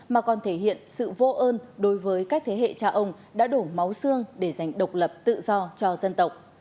mà còn thể hiện sự vô ơn đối với các thế hệ cha ông đã đổ máu xương để giành độc lập tự do cho dân tộc